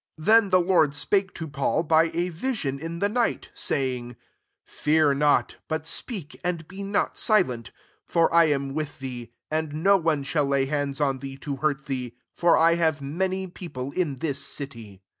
9 Then the Lord spake to Paul, by a vision in the night, saying, "Fear not, but speak, >and be not silent : 10 for I am with thee; and no one shall lay hands on thee to hurt thee: for I have many people in this city."